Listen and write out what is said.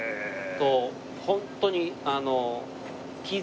とホントに。